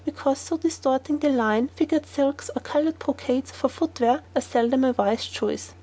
Because so distorting to line, figured silks and coloured brocades for footwear are seldom a wise choice.